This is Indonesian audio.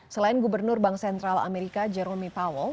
selain gubernur bank sentral amerika jeremy powell